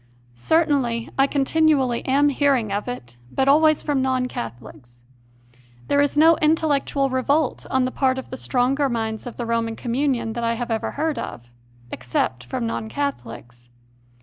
Certainly I continually am hearing of it, but always from non Catholics. There is no intellectual revolt on the part of the stronger minds of the Roman communion that I have ever heard of except from non Catholics.